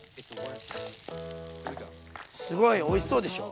すごいおいしそうでしょ？